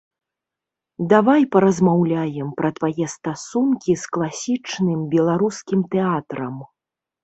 Давай паразмаўляем пра твае стасункі з класічным беларускім тэатрам.